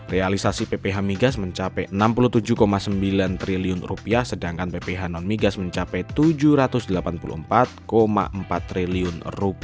realisasi pph migas mencapai rp enam puluh tujuh sembilan triliun sedangkan pph non migas mencapai rp tujuh ratus delapan puluh empat empat triliun